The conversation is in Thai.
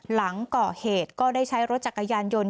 หลังก่อเหตุก็ได้ใช้รถจักรยานยนต์